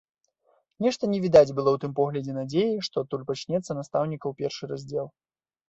Нешта не відаць было ў тым поглядзе надзеі, што адтуль пачнецца настаўнікаў першы раздзел.